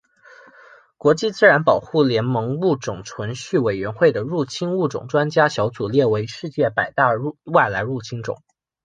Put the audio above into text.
国际自然保护联盟物种存续委员会的入侵物种专家小组列为世界百大外来入侵种。